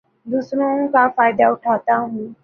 دوسروں کا فائدہ اٹھاتا ہوں